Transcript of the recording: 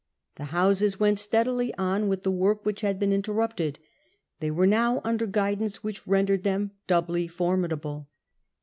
The Houses went steadily on with the work which had been interrupted. They were now under guidance which rendered them doubly Shaftesbury formidable.